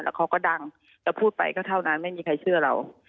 แล้วเขาก็ดังแล้วพูดไปก็เท่านั้นไม่มีใครเชื่อเรา